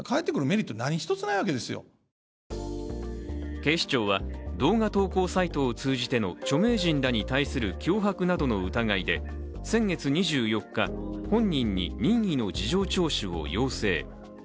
警視庁は動画投稿サイトを通じての著名人らに対しての脅迫などの疑いで先月２４日、本人に任意の事情聴取を要請。